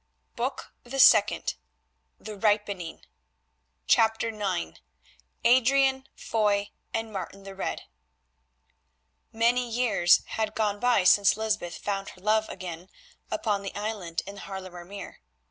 BOOK THE SECOND THE RIPENING CHAPTER IX ADRIAN, FOY, AND MARTIN THE RED Many years had gone by since Lysbeth found her love again upon the island in the Haarlemer Meer.